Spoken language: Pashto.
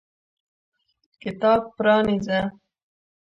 کتاب پرانیزه !